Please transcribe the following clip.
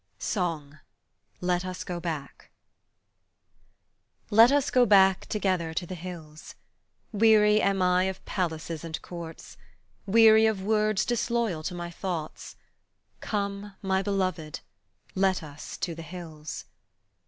SONG: LET US GO BACK LET us go back together to the hills. Weary am I of palaces and courts, Weary of words disloyal to my thoughts, Come, my beloved, let us to the hills.